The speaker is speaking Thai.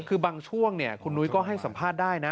คือบางช่วงคุณนุ้ยก็ให้สัมภาษณ์ได้นะ